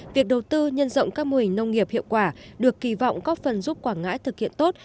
việc đầu tư nhân rộng các mô hình nông nghiệp hiệu quả được kỳ vọng có phần giúp quảng ngãi thực hiện tốt